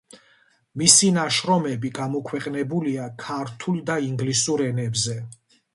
მისი ნაშრომები გამოქვეყნებულია ქართულ და ინგლისურ ენებზე.